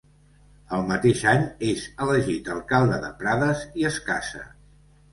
El mateix any, és elegit alcalde de Prades i es casa.